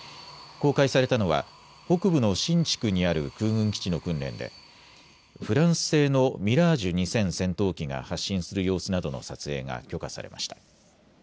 公開されたのは北部の新竹にある空軍基地の訓練でフランス製のミラージュ２０００戦闘機が発進する様子などの撮影が許可されました。